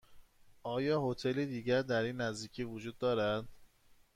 آیا هتل دیگری در این نزدیکی وجود دارد؟